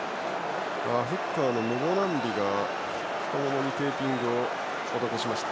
フッカーのムボナンビが太ももにテーピングを施しました。